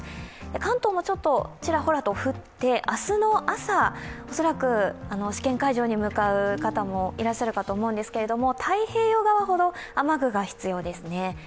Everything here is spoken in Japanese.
関東もちょっとちらほらと降って明日の朝、恐らく試験会場に向かう方もいらっしゃるかと思うんですけども、太平洋側ほど雨具が必要ですね。